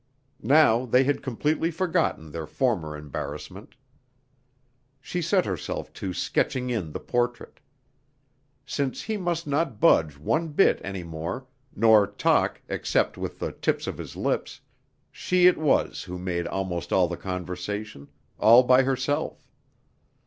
Now they had completely forgotten their former embarrassment. She set herself to sketching in the portrait. Since he must not budge one bit any more, nor talk except with the tips of his lips, she it was who made almost all the conversation, all by herself.